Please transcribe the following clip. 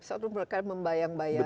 soal mereka membayang bayangi